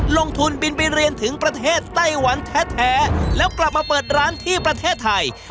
ลงทุนบินไปเรียนถึงประเทศไต้หวันแท้แล้วกลับมาเปิดร้านที่ประเทศไทย